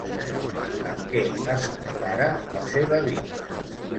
Amb què es compara la seva vida?